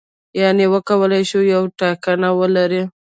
یعنې وکولای شي یوه ټاکنه ولري.